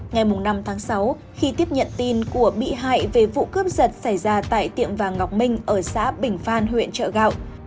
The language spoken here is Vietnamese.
ngày năm tháng sáu khi tiếp nhận tin của bị hại về vụ cướp giật xảy ra tại tiệm vàng ngọc minh ở xã bình phan huyện chợ gạo